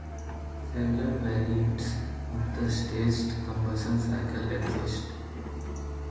Several variants of the staged combustion cycle exists.